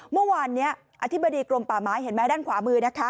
เมื่อวานนี้อธิบดีกรมป่าไม้เห็นไหมด้านขวามือนะคะ